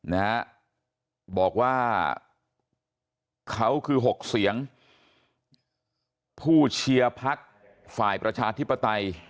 นะฮะบอกว่าเขาคือหกเสียงผู้เชียร์พักฝ่ายประชาธิปไตย